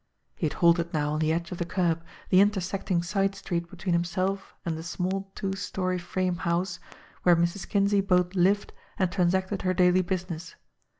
He had halted now on the edge of the curb, the intersecting side street between himself and the small, two story frame house, where Mrs. Kinsey both lived and transacted her daily business.